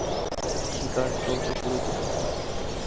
শিকার চলতে শুরু করেছে!